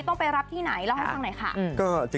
ต้องไปรับที่ไหนเล่าให้ฟังหน่อยค่ะ